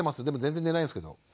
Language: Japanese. でも全然寝ないんですけど。